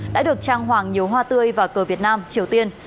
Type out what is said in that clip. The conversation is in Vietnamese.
đã được trang hoàng nhiều hoa tươi và cờ việt nam triều tiên